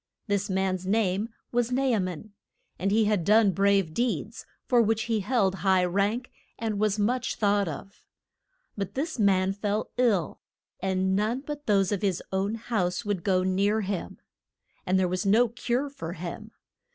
This man's name was Na a man, and he had done brave deeds, for which he held high rank, and was much thought of. But this man fell ill, and none but those of his own house would go near him. And there was no cure for him.